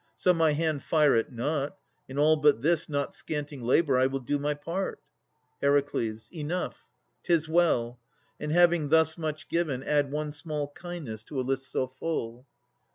So my hand fire it not. In all but this, Not scanting labour, I will do my part. HER. Enough. 'Tis well. And having thus much given Add one small kindness to a list so full.